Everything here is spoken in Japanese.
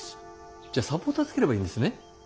じゃサポーターつければいいんですね？